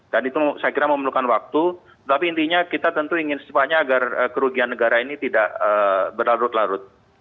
dan itu saya kira memerlukan waktu tapi intinya kita tentu ingin secepatnya agar kerugian negara ini tidak berlarut larut